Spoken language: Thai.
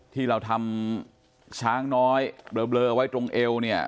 ที่เราทำช้างน้อยเบลอไว้ตรงเอวเนี่ย